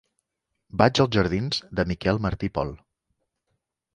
Vaig als jardins de Miquel Martí i Pol.